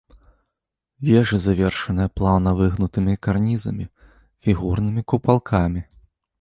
Вежы завершаныя плаўна выгнутымі карнізамі, фігурнымі купалкамі.